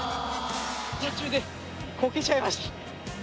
途中でこけちゃいました。